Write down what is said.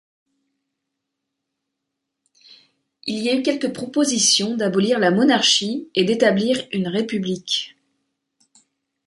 Il y a eu quelques propositions d'abolir la monarchie, et d'établir une république.